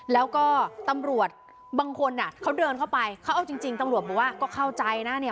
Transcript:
แล้วก็ตำรวจบางคนอ่ะเขาเดินเข้าไปเขาเอาจริงจริงตำรวจบอกว่าก็เข้าใจนะเนี่ย